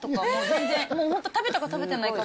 全然、本当食べたか食べてないか。